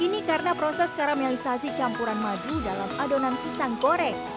ini karena proses karamelisasi campuran madu dalam adonan pisang goreng